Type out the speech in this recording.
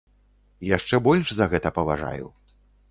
Яшчэ больш за гэта паважаю.